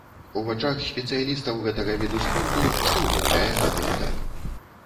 У вачах спецыялістаў гэтага віду спорту што ўяўляе гэты медаль?